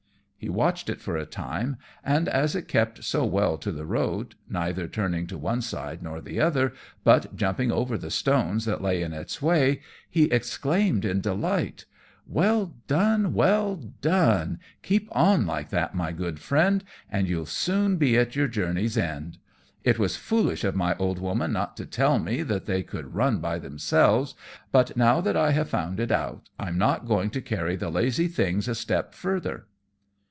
He watched it for a time, and as it kept so well to the road, neither turning to one side nor the other, but jumping over the stones that lay in its way, he exclaimed in delight, "Well done, well done, keep on like that, my good friend, and you'll soon be at your journey's end! It was foolish of my old woman not to tell me that they could run by themselves, but now that I have found it out, I'm not going to carry the lazy things a step farther."